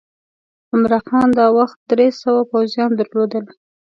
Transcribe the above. عمرا خان دا وخت درې سوه پوځیان درلودل.